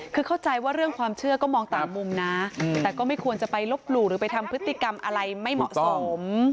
คือเข้าใจว่าเรื่องความเชื่อก็มองต่างมุมนะแต่ก็ไม่ควรจะไปลบหลู่หรือไปทำพฤติกรรมอะไรไม่เหมาะสม